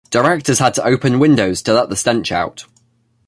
Directors had to open windows to let the stench out.